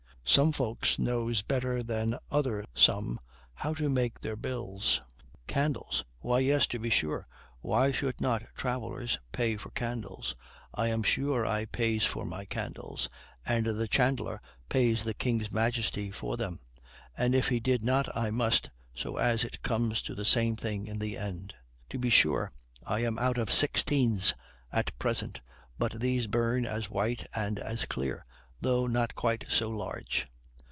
Some folks knows better than other some how to make their bills. Candles! why yes, to be sure; why should not travelers pay for candles? I am sure I pays for my candles, and the chandler pays the king's majesty for them; and if he did not I must, so as it comes to the same thing in the end. To be sure I am out of sixteens at present, but these burn as white and as clear, though not quite so large.